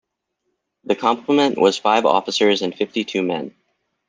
The complement was five officers and fifty-two men.